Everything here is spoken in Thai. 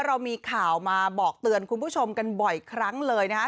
เรามีข่าวมาบอกเตือนคุณผู้ชมกันบ่อยครั้งเลยนะคะ